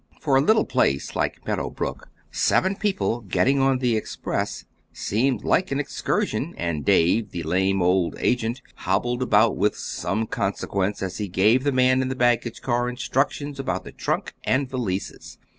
For a little place like Meadow Brook seven people getting on the Express seemed like an excursion, and Dave, the lame old agent, hobbled about with some consequence, as he gave the man in the baggage car instruction about the trunk and valises.